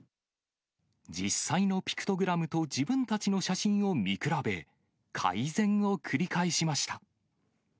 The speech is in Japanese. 実際のピクトグラムと自分たちの写真を見比べ、改善を繰り返しました。